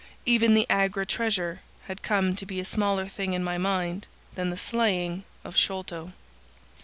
Even the Agra treasure had come to be a smaller thing in my mind than the slaying of Sholto.